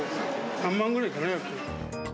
３万ぐらいかな。